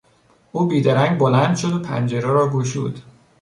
او بیدرنگ بلند شد و پنجره را گشود.